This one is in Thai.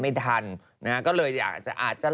ไม่ทันนะก็เลยอาจจะ